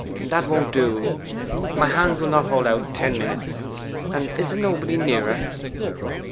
'That won't do; my hands will not hold out ten minutes. And is there nobody nearer?